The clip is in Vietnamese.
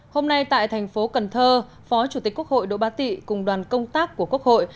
hôm nay tại thành phố cần thơ phó chủ tịch quốc hội đỗ bá tị cùng đoàn công tác của quốc hội